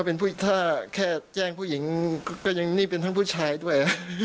ถ้าแค่แจ้งผู้หญิงก็ยังนี่เป็นทั้งผู้ชายด้วย